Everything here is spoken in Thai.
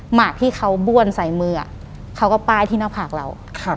หมากที่เขาบ้วนใส่มือเขาก็ป้ายที่หน้าผากเรา